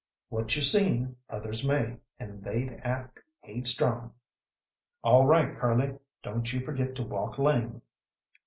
"What you seen, others may, and they'd act haidstrong." "All right, Curly. Don't you forget to walk lame."